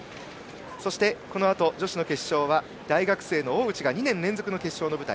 そして、このあと女子の決勝は大学生の大内が２年連続の決勝の舞台。